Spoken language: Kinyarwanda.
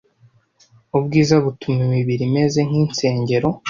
ubwiza butuma imibiri imeze nkinsengero